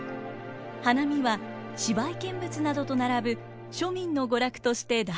花見は芝居見物などと並ぶ庶民の娯楽として大人気に。